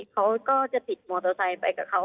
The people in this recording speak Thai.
เขาก็จะติดมอเตอร์ไซค์ไปกับเขา